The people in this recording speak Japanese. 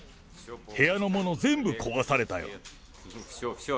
部屋のもの全部壊されたよ。